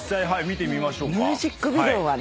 ミュージックビデオはね